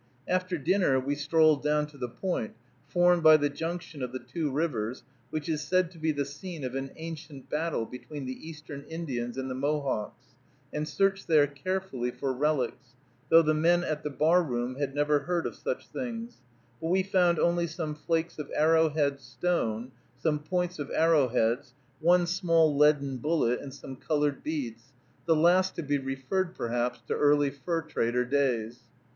After dinner we strolled down to the "Point," formed by the junction of the two rivers, which is said to be the scene of an ancient battle between the Eastern Indians and the Mohawks, and searched there carefully for relics, though the men at the bar room had never heard of such things; but we found only some flakes of arrowhead stone, some points of arrowheads, one small leaden bullet, and some colored beads, the last to be referred, perhaps, to early fur trader days.